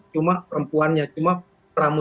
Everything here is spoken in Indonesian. cuma perempuannya cuma pramu